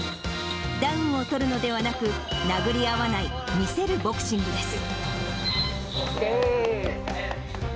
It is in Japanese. ダウンを取るのではなく、殴り合わない見せるボクシングです。